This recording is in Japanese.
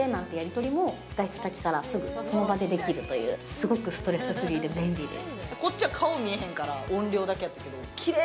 すごくストレスフリーで便利です。